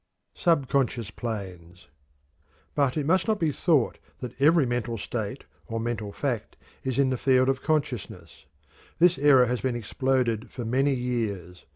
SUBCONSCIOUS PLANES. But it must not be thought that every mental state or mental fact is in the field of consciousness. This error has been exploded for many years.